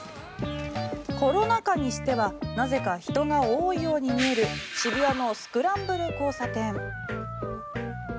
コロナ禍にしてはなぜか人が多いように見える渋谷のスクランブル交差点。